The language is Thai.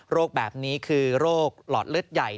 แบบนี้คือโรคหลอดเลือดใหญ่